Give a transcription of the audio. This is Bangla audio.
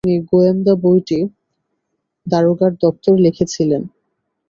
তিনি গোয়েন্দা বইটি দারোগার দপ্তর লিখেছিলেন।